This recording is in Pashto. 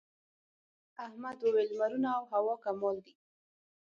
احمد وويل: لمرونه او هوا کمال دي.